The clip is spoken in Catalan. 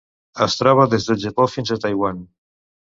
Es troba des del Japó fins a Taiwan.